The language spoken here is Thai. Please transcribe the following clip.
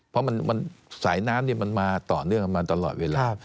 เพราะสายน้ำมันมาต่อเนื่องมาตลอดเวลา